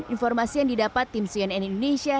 informasi yang didapat tim sion n indonesia